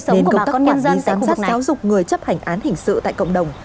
nên công tác quản lý giám sát giáo dục người chấp hành án hình sự tại cộng đồng